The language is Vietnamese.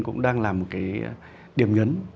cũng đang là một cái điểm nhấn